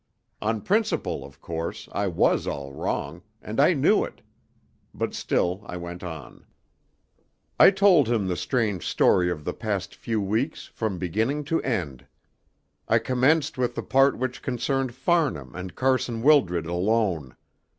On principle, of course, I was all wrong, and I knew it; but still I went on. I told him the strange story of the past few weeks from beginning to end. I commenced with the part which concerned Farnham and Carson Wildred alone.